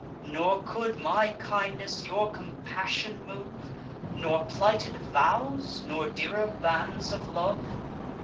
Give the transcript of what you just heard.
Nor could my kindness your compassion move. Nor plighted vows, nor dearer bands of love?